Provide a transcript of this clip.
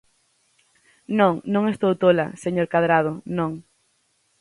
Non, non estou tola, señor Cadrado, non.